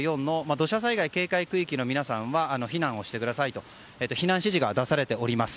土砂災害警戒区域の皆さんは避難をしてくださいと避難指示が出されております。